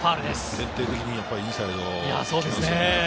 徹底的にインサイドきますよね。